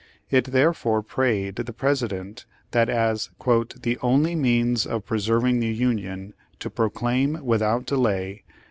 It therefore prayed the President that as "the only means of preserving the Union to proclaim, with out delay.